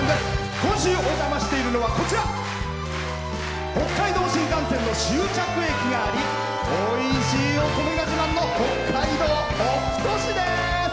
今週お邪魔しているのは北海道新幹線の終着駅がありおいしいお米が自慢の北海道北斗市です！